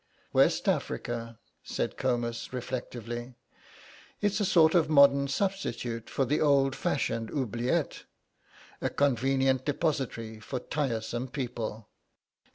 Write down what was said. "West Africa," said Comus, reflectively; "it's a sort of modern substitute for the old fashioned oubliette, a convenient depository for tiresome people.